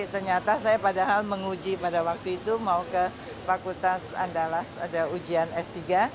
ternyata saya padahal menguji pada waktu itu mau ke fakultas andalas ada ujian s tiga